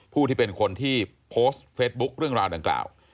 ผู้ที่เป็นคนที่โพสต์เฟซบุ๊คเรื่องราวดังกล่าว